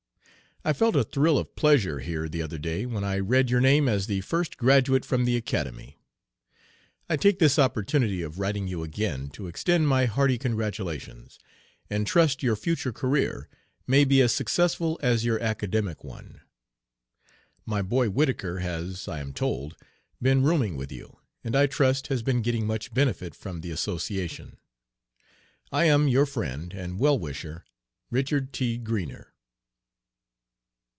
I felt a thrill of pleasure here the other day when I read your name as the first graduate from the Academy. I take this opportunity of writing you again to extend my hearty congratulations, and trust your future career may be as successful as your academic one. "My boy," Whittaker, has, I am told, been rooming with you, and I trust has been getting much benefit from the association. I am, your friend and well wisher, RICHARD T. GREENER.